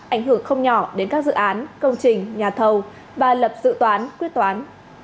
ảnh hưởng không nhỏ đến các dự án công trình nhà thầu và lập dự toán quyết toán